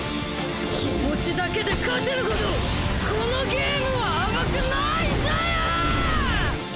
気持ちだけで勝てるほどこのゲームは甘くないんだよ！！